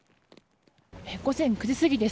午前９時過ぎです。